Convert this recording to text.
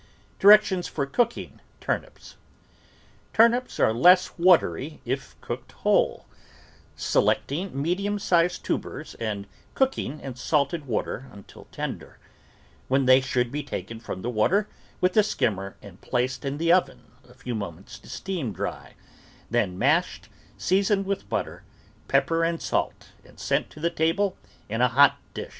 DIRECTIONS FOR COOKING TURNIPS Turnips are less watery if cooked whole, select ing medium sized tubers and cooking in salted water until tender, when they should be taken from the water with a skimmer and placed in the oven a few moments to steam dry, then mashed, seasoned with butter, pepper and salt, and sent to the table in a hot dish.